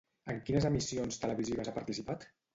En quines emissions televisives ha participat?